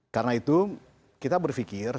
karena itu kita berfikir